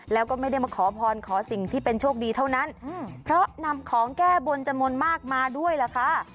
แล้วก็ไม่ได้มาขอพรขอสิ่งที่เป็นโชคดีเท่านั้นเพราะนำของแก้บนจำนวนมากมาด้วยล่ะค่ะ